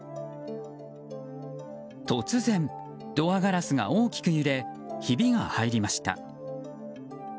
突然、ドアガラスが大きく揺れひびが入りました。